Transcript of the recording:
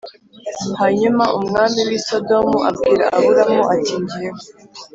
Hanyuma umwami w i Sodomu abwira Aburamu ati njyewe